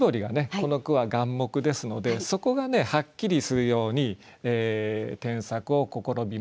この句は眼目ですのでそこがはっきりするように添削を試みます。